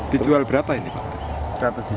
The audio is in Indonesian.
dijual berapa ini pak